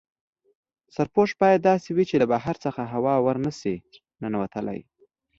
سرپوښ باید داسې وي چې له بهر څخه هوا ور نه شي ننوتلای.